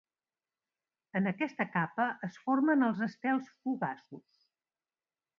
En aquesta capa es formen els estels fugaços.